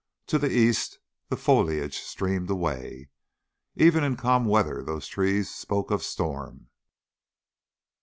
To the east the foliage streamed away. Even in calm weather those trees spoke of storm.